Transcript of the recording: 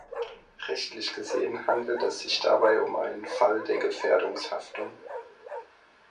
Rechtlich gesehen handelt es sich dabei um einen Fall der Gefährdungshaftung.